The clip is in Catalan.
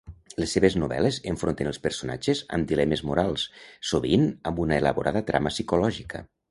Les seves novel·les enfronten els personatges amb dilemes morals, sovint amb una elaborada trama psicològica.